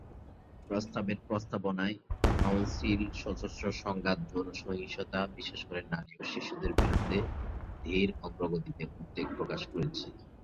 প্রস্তাবের প্রস্তাবনায় কাউন্সিল সশস্ত্র সংঘাতে যৌন সহিংসতা, বিশেষ করে নারী ও শিশুদের বিরুদ্ধে ধীর অগ্রগতিতে উদ্বেগ প্রকাশ করেছে।